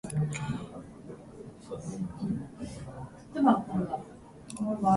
あなたが僕の全てです．